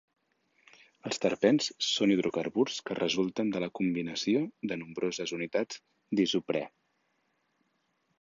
Els terpens són hidrocarburs que resulten de la combinació de nombroses unitats d'isoprè.